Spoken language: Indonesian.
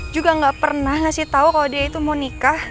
juga nggak pernah ngasih tau kalau dia itu mau nikah